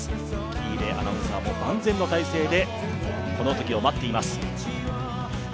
喜入アナウンサーも万全の態勢で、この時を待っています。